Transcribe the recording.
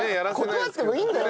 断ってもいいんだよ